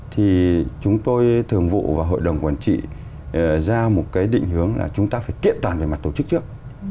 thì chúng tôi thường vụ và hội đồng quản trị ra một cái định hướng là chúng ta phải kiện toàn về mặt tổ chức trước